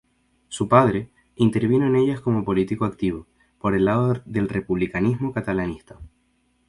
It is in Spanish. Su padre, intervino en ellas como político activo, por el lado del republicanismo catalanista.